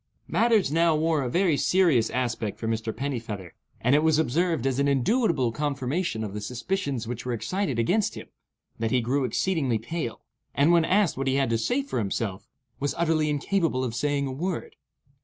Matters now wore a very serious aspect for Mr. Pennifeather, and it was observed, as an indubitable confirmation of the suspicions which were excited against him, that he grew exceedingly pale, and when asked what he had to say for himself, was utterly incapable of saying a word.